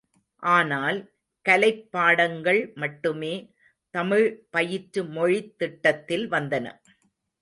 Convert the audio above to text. ஆனால், கலைப் பாடங்கள் மட்டுமே தமிழ் பயிற்று மொழித் திட்டத்தில் வந்தன.